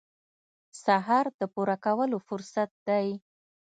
سهار د پوره کولو فرصت دی.